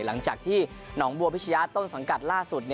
หลังจากที่หนองบัวพิชยะต้นสังกัดล่าสุด